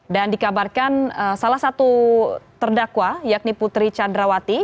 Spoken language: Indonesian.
dan dikabarkan salah satu terdakwa yakni putri candrawati